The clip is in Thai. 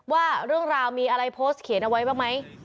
ว่าเรื่องราวมีอะไรโพสต์เขียนเอาไว้บ้างไหม